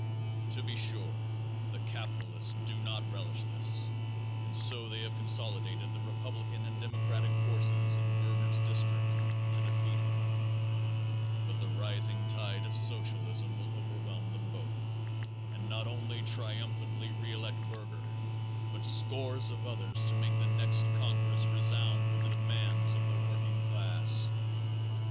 To be sure the capitalists do not relish this and so they have consolidated the Republican and Democratic forces in Berger's district to defeat him, but the rising tide of Socialism will overwhelm them both and not only triumphantly re elect Berger but a score of others to make the next congress resound with the demands of the working class.